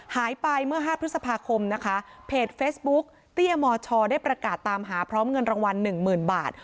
หายไปเมื่อ๕พฤษภาคมนะคะเพจเฟซบุ๊กเตี้ยมชได้ประกาศตามหาพร้อมเงินรางวัลหนึ่งหมื่นบาท